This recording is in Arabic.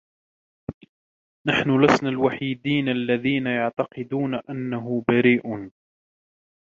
نحنُ لسنا الوحيدين الذين يعتقدون أنهُ برئ.